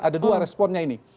ada dua responnya ini